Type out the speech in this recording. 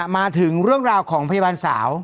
มาถึงเรื่องราวของพยาบาลสาว